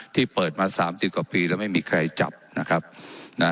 ที่เปิดมาสามสิบกว่าปีแล้วไม่มีใครจับนะครับนะ